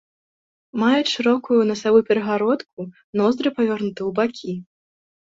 Маюць шырокую насавую перагародку, ноздры павернуты ў бакі.